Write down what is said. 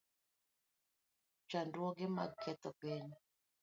Chandruoge mag ketho piny